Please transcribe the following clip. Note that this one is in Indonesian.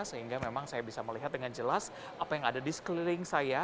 sehingga memang saya bisa melihat dengan jelas apa yang ada di sekeliling saya